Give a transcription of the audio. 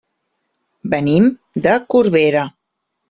Venim de Corbera.